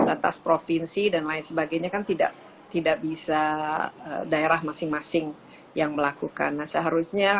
atas provinsi dan lain sebagainya kan tidak tidak bisa daerah masing masing yang melakukan nah seharusnya